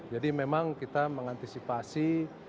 jadi memang kita mengantisipasi